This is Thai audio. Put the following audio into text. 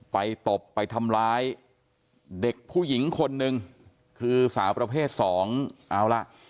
ตบไปทำร้ายเด็กผู้หญิงคนนึงคือสาวประเภทสองเอาล่ะ